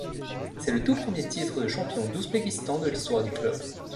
C'est le tout premier titre de champion d'Ouzbékistan de l'histoire du club.